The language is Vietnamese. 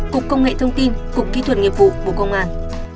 cục công nghệ thông tin cục kỹ thuật nghiệp vụ bộ công an